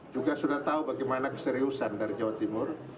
juga sudah tahu bagaimana keseriusan dari jawa timur